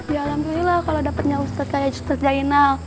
ya alhamdulillah kalau dapetnya ustad kayak ustad zainal